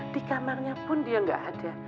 di kamarnya pun dia nggak ada